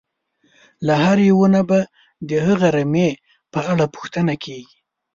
له هر یوه نه به د هغه رمې په اړه پوښتنه کېږي.